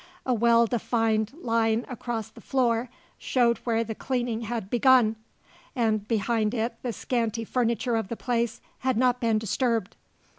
A well defined line across the floor showed where the cleaning had begun, and behind it the scanty furniture of the place had not been disturbed.